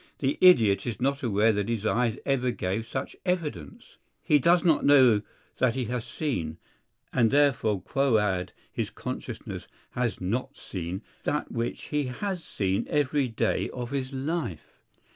the idiot is not aware that his eyes ever gave such evidence. He does not know that he has seen (and therefore quoad his consciousness has not seen) that which he has seen every day of his life.